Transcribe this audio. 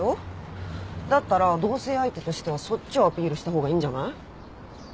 だったら同棲相手としてはそっちをアピールした方がいいんじゃない？